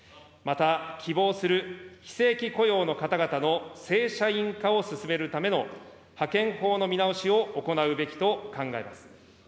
また、希望する非正規雇用の方々の正社員化を進めるための派遣法の見直しを行うべきと考えます。